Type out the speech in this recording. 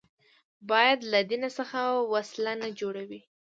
باید له دین څخه وسله نه جوړوي